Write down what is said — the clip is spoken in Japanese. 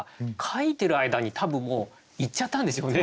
描いてる間に多分もう行っちゃったんでしょうね。